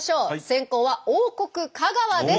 先攻は王国香川です。